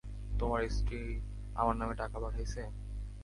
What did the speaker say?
তোমার স্ত্রী আমার নামে টাকা পাঠাইছে?